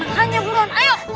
hanya buruan ayo